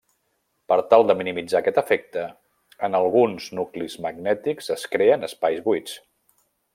Per tal de minimitzar aquest efecte, en alguns nuclis magnètics es creen espais buits.